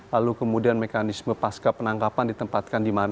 lalu kemudian mekanisme pasca penangkapan ditempatkan di mana